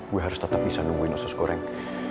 gue harus tetap bisa nungguin usus goreng